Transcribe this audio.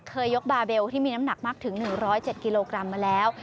ยกบาเบลที่มีน้ำหนักมากถึง๑๐๗กิโลกรัมมาแล้ว